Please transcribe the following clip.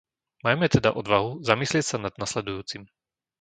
Majme teda odvahu zamyslieť sa nad nasledujúcim.